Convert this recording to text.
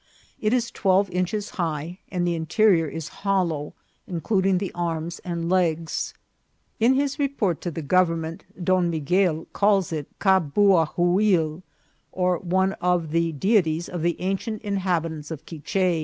It is twelve inches high, and the interior is hollow, in cluding the arms and legs. In his report to the govern ment, Don Miguel calls it Cabuahuil, or one of the dei ties of the ancient inhabitants of Quiche.